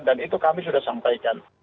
dan itu kami sudah sampaikan